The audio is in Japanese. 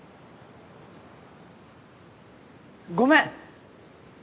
ごめん！